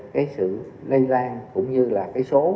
cái sự lây lan cũng như là cái số